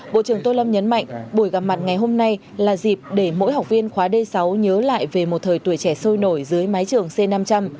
bộ trưởng tô lâm nhấn mạnh buổi gặp mặt ngày hôm nay là dịp để mỗi học viên khóa d sáu nhớ lại về một thời tuổi trẻ sôi nổi dưới mái trường c năm trăm linh